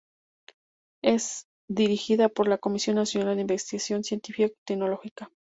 Es dirigida por la Comisión Nacional de Investigación Científica y Tecnológica.